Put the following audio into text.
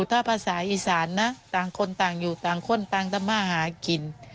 ถ้าภาษาอีสานนะต่างคนต่างอยู่ต่างคนต่างทำมาหากิน